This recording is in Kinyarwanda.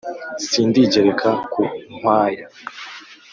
Sindigereka ku nkwaya